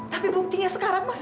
tapi buktinya sekarang mas